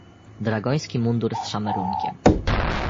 "Dragoński mundur z szamerunkiem."